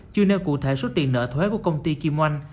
về số tiền nợ thuế của công ty kim oanh